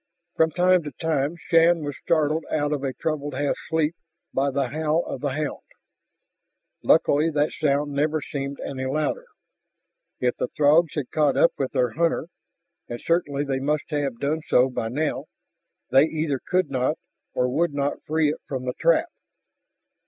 From time to time Shann was startled out of a troubled half sleep by the howl of the hound. Luckily that sound never seemed any louder. If the Throgs had caught up with their hunter, and certainly they must have done so by now, they either could not, or would not free it from the trap.